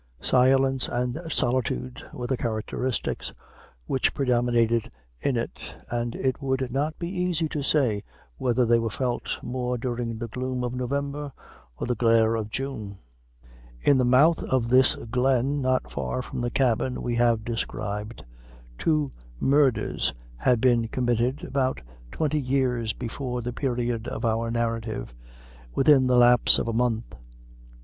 Silence and solitude were the characteristics which predominated in it and it would not be easy to say whether they were felt more during the gloom of November or the glare of June. In the mouth of this glen, not far from the cabin we have described, two murders had been committed about twenty years before the period of our narrative, within the lapse of a month.